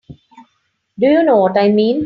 Do you know what I mean?